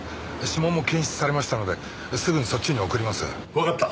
わかった。